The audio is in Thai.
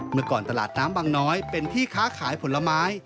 เมื่อก่อนตลาดน้ำบางน้อยเป็นที่ค้าขายผลไม้